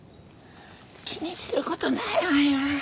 気にすることないわよ。